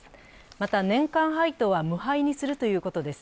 また、年間配当は無配にするということです。